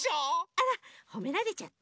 あらほめられちゃった。